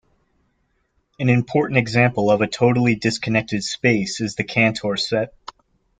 An important example of a totally disconnected space is the Cantor set.